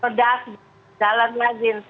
pedas jalan lagi